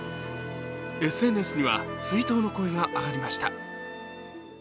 ＳＮＳには追悼の声が上がりました。